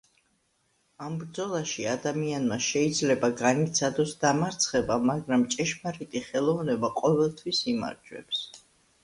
ამ ბრძოლაში ადამიანმა შეიძლება განიცადოს დამარცხება, მაგრამ ჭეშმარიტი ხელოვნება ყოველთვის იმარჯვებს.